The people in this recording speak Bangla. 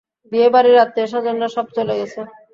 বিয়েবাড়ির আত্মীয়স্বজনরা সব চলে গেছে।